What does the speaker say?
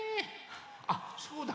あっそうだ。